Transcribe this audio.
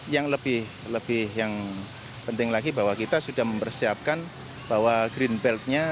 yang lebih penting lagi bahwa kita sudah mempersiapkan bahwa greenbeltnya